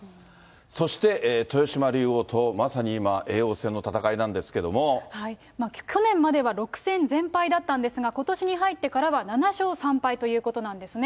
そして、豊島竜王とまさに今、去年までは６戦全敗だったんですが、ことしに入ってからは７勝３敗ということなんですね。